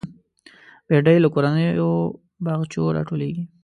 بېنډۍ له کورنیو باغچو راټولېږي